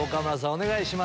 お願いします。